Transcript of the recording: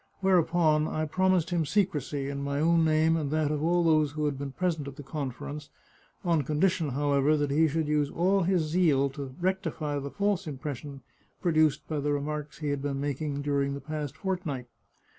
Whereupon I promised him secrecy, in my own name and that of all those who had been present at the conference, on condition, however, that he should use all his zeal to rectify the false impression produced by the remarks he had been making during the past fortnight.